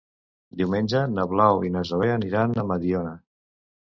Diumenge na Blau i na Zoè aniran a Mediona.